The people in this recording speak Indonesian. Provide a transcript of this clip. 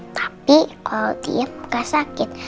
tapi kalau diam gak sakit